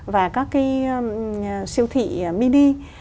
và các cái siêu thị mini